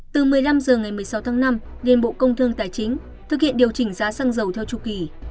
từ một mươi năm h ngày một mươi sáu tháng năm liên bộ công thương tài chính thực hiện điều chỉnh giá xăng dầu theo chu kỳ